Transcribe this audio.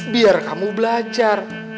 biar kamu belajar